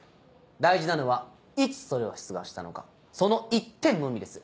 大事なのは「いつ」それを出願したのかその一点のみです。